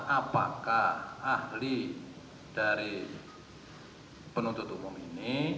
apakah ahli dari penuntut umum ini